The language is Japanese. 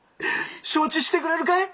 承知してくれるかい？